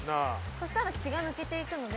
そしたら血が抜けていくので。